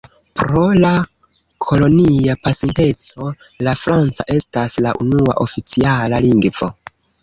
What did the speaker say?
Pro la kolonia pasinteco la franca estas la unua oficiala lingvo.